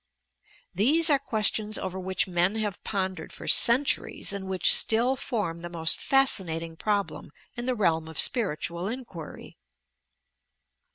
These are questions over which men have pondered for centuries and which still form the moat fascinating problem in the realm of spiritual in quiry.